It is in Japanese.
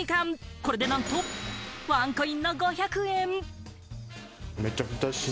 これでなんとワンコインの５００円。